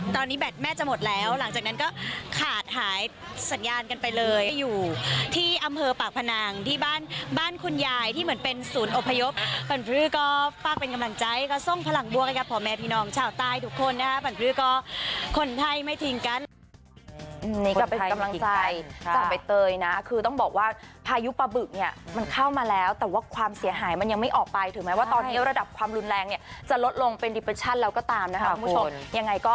ตอนนี้จะหมดแล้วหลังจากนั้นก็ขาดหายสัญญาณกันไปเลยไปอยู่ที่อำเภอปากพนังที่บ้านบ้านคุณยายที่เหมือนเป็นศูนย์อพยพบรรพฤกก็ฝากเป็นกำลังใจก็ทรงพลังบัวให้กับพ่อแม่พี่น้องชาวใต้ทุกคนนะครับบรรพฤษก็คนไข้ไม่ทิ้งกัน